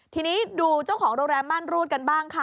ทีนี้ดูเจ้าของโรงแรมม่านรูดกันบ้างค่ะ